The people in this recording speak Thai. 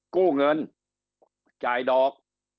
กู้เงินจ่ายดอก